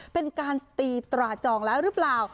เป็นการตีตราจองแล้วหรือเปล่า